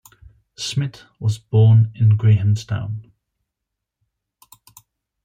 Smith was born in Grahamstown.